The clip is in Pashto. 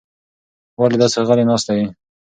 ولې داسې غلې ناسته یې؟